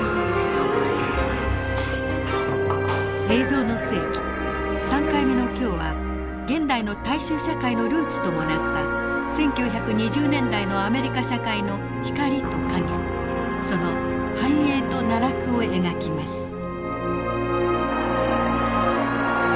「映像の世紀」３回目の今日は現代の大衆社会のルーツともなった１９２０年代のアメリカ社会の光と陰その繁栄と奈落を描きます。